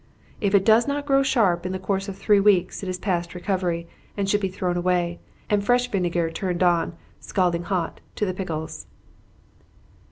If it does not grow sharp in the course of three weeks it is past recovery, and should be thrown away, and fresh vinegar turned on, scalding hot, to the pickles.